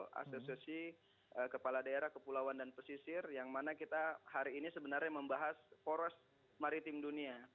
itu asosiasi kepala daerah kepulauan dan pesisir yang mana kita hari ini sebenarnya membahas poros maritim dunia